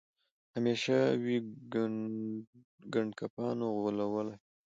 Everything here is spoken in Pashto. همېشه وي ګنډکپانو غولولی